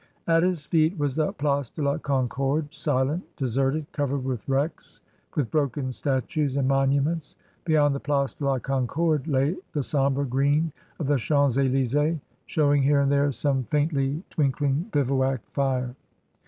At his feet was the Place de la Concorde, silent, deserted, covered with wrecks, with broken statues and monuments; beyond the Place de la Concorde lay the sombre green of the Champs Elysees, showing here and there some faintly twink ling bivouac fire.